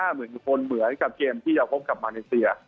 หมื่นคนเหมือนกับเกมที่จะพบกับมาเลเซีย